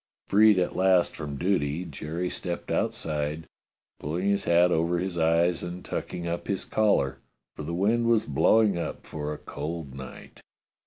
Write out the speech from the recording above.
Freed at last from duty, Jerry stepped outside, pulling his hat over his eyes and tucking up his collar, for the wind was blowing up for a cold night.